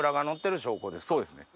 そうですね。